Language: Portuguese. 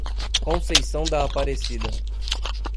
Conceição da Aparecida